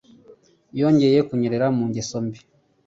Yongeye kunyerera mu ngeso mbi.